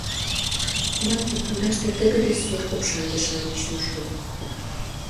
Банке пундаште тыгыде сур копшаҥге-шамыч нушкыт.